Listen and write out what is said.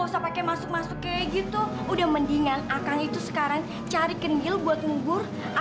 sampai jumpa di video selanjutnya